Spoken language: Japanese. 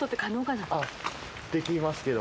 あっできますけど。